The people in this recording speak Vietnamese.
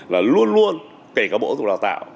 luôn luôn kể cả bộ dục đào tạo